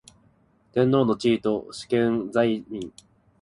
天皇の地位と主権在民